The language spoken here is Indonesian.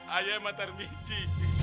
ayah dan pak tarmiji